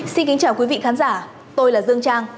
xin kính chào quý vị khán giả tôi là dương trang